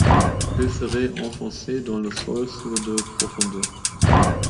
Il serait enfoncé dans le sol sur de profondeur.